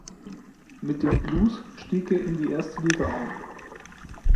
Mit den Blues stieg er in die erste Liga auf.